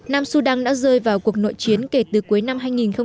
nam sudan đã rơi vào cuộc nội chiến kể từ cuối năm hai nghìn một mươi